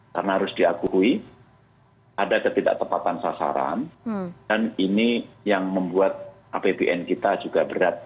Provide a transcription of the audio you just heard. karena harus diakui ada ketidaktepatan sasaran dan ini yang membuat apbn kita juga berat